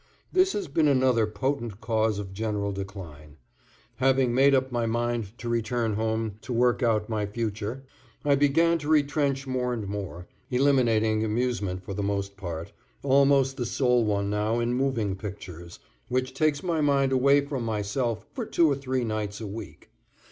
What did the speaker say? This has been another potent cause of general decline. Having made up my mind to return home to work out my future, I began to retrench more and more, eliminating amusement for the most part almost the sole one now is moving pictures, which takes my mind away from myself for two or three nights a week.